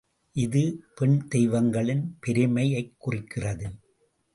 இது, பெண் தெய்வங்களின் பெருமையைக் குறிக்கிறது.